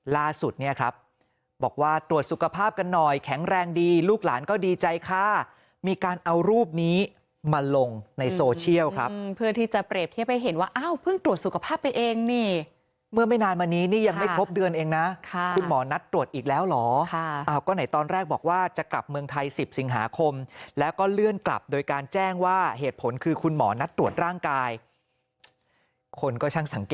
ล่าสุดเนี่ยครับบอกว่าตรวจสุขภาพกันหน่อยแข็งแรงดีลูกหลานก็ดีใจค่ะมีการเอารูปนี้มาลงในโซเชียลครับเพื่อที่จะเปรียบเทียบไปเห็นว่าเอ้าเพิ่งตรวจสุขภาพไปเองนี่เมื่อไม่นานมานี้นี่ยังไม่ครบเดือนเองนะค่ะคุณหมอนัดตรวจอีกแล้วหรอค่ะก็ไหนตอนแรกบอกว่าจะกลับเมืองไทย๑๐สิงหาคมแล้วก็